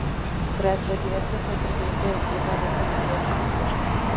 Tras retirarse, fue presidente del Club de Adulto Mayor Renacer.